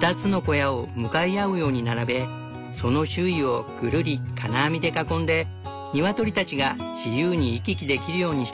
２つの小屋を向かい合うように並べその周囲をぐるり金網で囲んでニワトリたちが自由に行き来できるようにした。